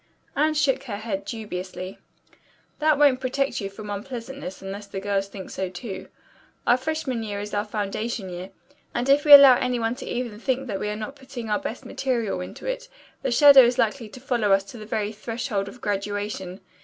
Anne shook her head dubiously. "That won't protect you from unpleasantness unless the girls think so, too. Our freshman year is our foundation year, and if we allow any one even to think that we are not putting our best material into it, the shadow is likely to follow us to the very threshold of graduation.